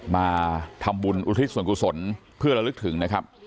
มาทำบุญอุทิศส่วนกุศลเพื่อระลึกถึงนะครับ